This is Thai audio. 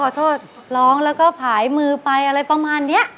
โทษร้องแล้วก็ผายมือไปอะไรประมาณนี้